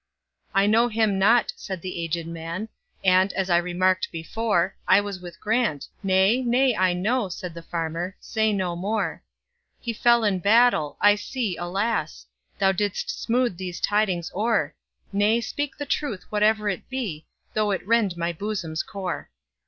"I know him not," said the aged man,"And, as I remarked before,I was with Grant"—"Nay, nay, I know,"Said the farmer, "say no more:"He fell in battle,—I see, alas! Thou 'dst smooth these tidings o'er,—Nay, speak the truth, whatever it be, Though it rend my bosom's core.